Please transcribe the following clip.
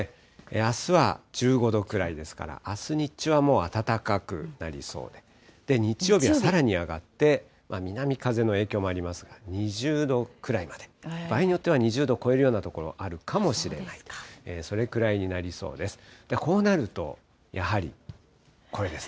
あすは１５度くらいですから、あす日中はもう暖かくなりそうで、日曜日はさらに上がって、南風の影響もあります、２０度くらいまで、場合によっては２０度を超えるような所あるかもしれない、それくらいになりそうです。